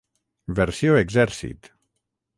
Versió Exèrcit: